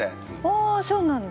ああそうなんだ。